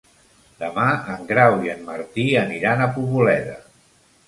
Demà en Grau i en Martí aniran a Poboleda.